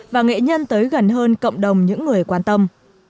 và nghệ nhân tới gần hơn cộng đồng những người quan tâm